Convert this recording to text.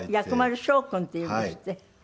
薬丸翔君っていうんですって？